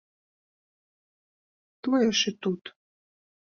Тое ж і тут.